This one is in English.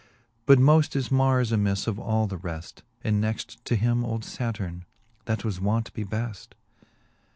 But moft is Mars amifle of all the reft. And next to him old Saturne, that was wont be befli IX.